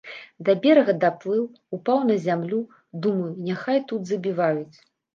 Да берага даплыў, упаў на зямлю, думаю, няхай тут забіваюць.